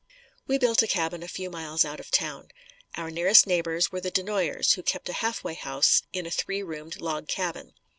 We built a cabin a few miles out of town. Our nearest neighbors were the DeNoyers who kept a halfway house in a three roomed log cabin.